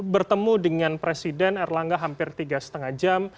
bertemu dengan presiden erlangga hampir tiga lima jam